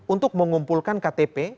untuk mengumpulkan ktp